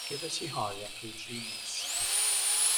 Gefais i hoe am rhyw dri mis.